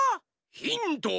ヒント！